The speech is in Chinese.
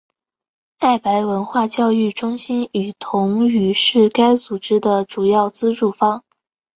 爱白文化教育中心与同语是该组织的主要资助方。